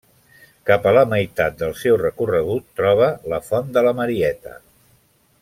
Cap a la meitat del seu recorregut troba la Font de la Marieta.